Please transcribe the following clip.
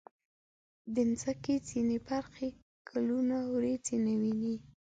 د مځکې ځینې برخې کلونه وریځې نه ویني.